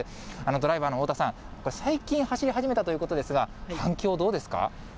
ドライバーの太田さん、これ、最近走り始めたということですが、反響、どうですか。